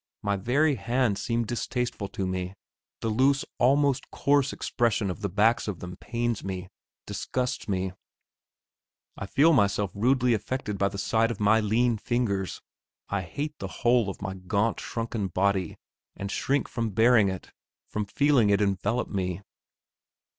My very hands seem distasteful to me; the loose, almost coarse, expression of the backs of them pains me, disgusts me. I feel myself rudely affected by the sight of my lean fingers. I hate the whole of my gaunt, shrunken body, and shrink from bearing it, from feeling it envelop me.